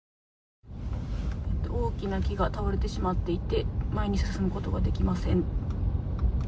大きな木が倒れてしまっていて、前に進むことができません。